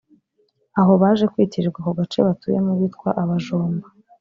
aho baje kwitirirwa ako gace batuyemo bitwa abajomba